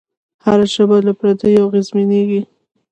هره ژبه له پردیو اغېزمنېږي.